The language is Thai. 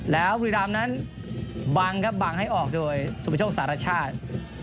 แล้วบุรีรามนั้นบังครับบังให้ออกโดยสุประโชคสารชาติ